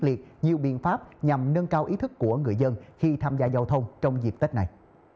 liệt nhiều biện pháp nhằm nâng cao ý thức của người dân khi tham gia giao thông trong dịp tết này